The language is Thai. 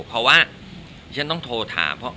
เพราะว่าฉันต้องโทรถาม